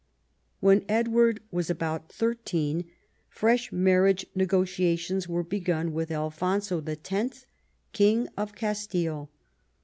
When Edward Avas about thirteen, fresh marriage negotiations were begun with Alfonso X., King of Castile.